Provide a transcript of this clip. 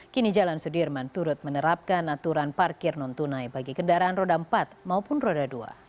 kini jalan sudirman turut menerapkan aturan parkir non tunai bagi kendaraan roda empat maupun roda dua